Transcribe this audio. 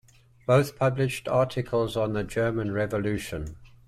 Both published articles on the German Revolution.